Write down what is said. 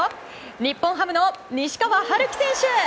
日本ハムの西川遥輝選手。